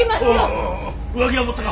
おお上着は持ったか？